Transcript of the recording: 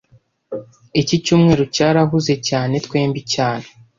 Iki cyumweru cyarahuze cyane twembi cyane